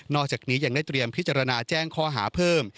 อกจากนี้ยังได้เตรียมพิจารณาแจ้งข้อหาเพิ่ม